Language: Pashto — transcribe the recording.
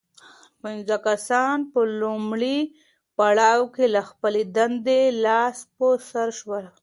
پنځه کسان په لومړي پړاو کې له خپلې دندې لاس په سر شول.